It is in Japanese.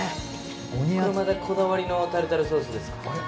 これまたこだわりのタルタルソースですか。